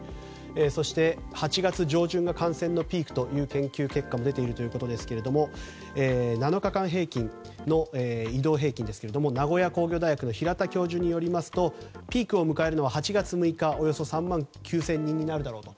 そして、８月上旬が感染のピークという研究結果も出ているということですが７日間の移動平均ですが名古屋工業大学の平田教授によりますとピークを迎えるのは８月６日およそ３万９０００人になるだろうと。